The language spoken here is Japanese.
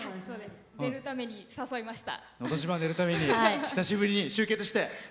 出るために誘いました。